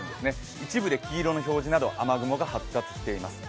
一部で黄色の表示など雨雲が発達しています。